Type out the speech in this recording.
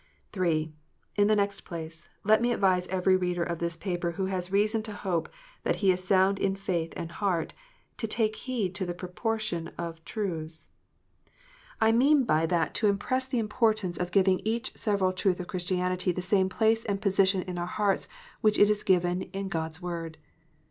(3) In the next place, let me advise every reader of this paper who has reason to hope that he is sound in faith and heart, to take heed to the proportion of truths. I mean by that 344 KNOTS UNTIED. to impress the importance of giving each several truth of Christianity the same place and position in our hearts which is given to it in God s Word.